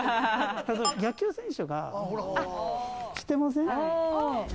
野球選手がしてません？